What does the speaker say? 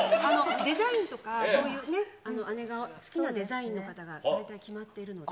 デザインとかそういうね、姉が好きなデザインの方が大体決まっているので。